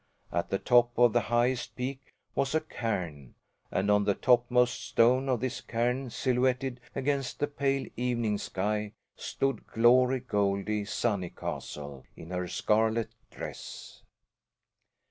At the top of the highest peak was a cairn, and on the topmost stone of this cairn silhouetted against the pale evening sky stood Glory Goldie Sunnycastle, in her scarlet dress.